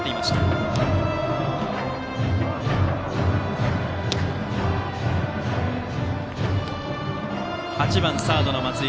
バッターは８番サードの松井。